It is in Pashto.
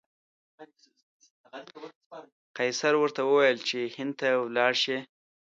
قیصر ورته وویل چې هند ته ولاړ شي.